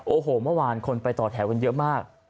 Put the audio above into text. โอ้โหมหวานคนไปต่อแถวนเยอะมาก